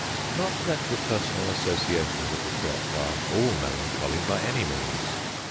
Not that the personal associations of the church are all melancholy, by any means.